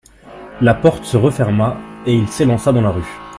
La porte se referma et il s'élança dans la rue.